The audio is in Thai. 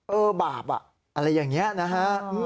เออบาปอ่ะอะไรอย่างนี้นะฮะ